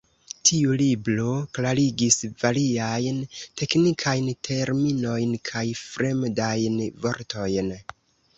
Tiu libro klarigis variajn teknikajn terminojn kaj fremdajn vortojn.